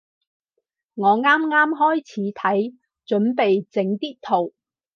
我啱啱開始睇，準備整啲圖